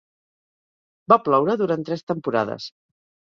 Va ploure durant tres temporades.